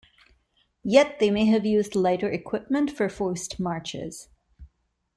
Yet they may have used lighter equipment for forced marches.